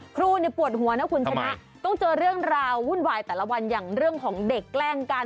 ครูปวดหัวนะคุณชนะต้องเจอเรื่องราววุ่นวายแต่ละวันอย่างเรื่องของเด็กแกล้งกัน